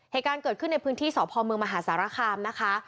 เหตุการณ์เกิดขึ้นในพื้นที่สพเมืองมหาสารคามนะคะ